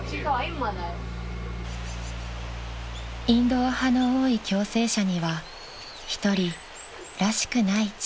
［インドア派の多い共生舎には一人「らしくない」